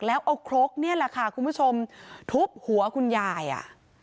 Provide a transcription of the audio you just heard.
แล้วเอาครกเนี่ยแหละค่ะคุณผู้ชมทุบหัวคุณยายอ่ะ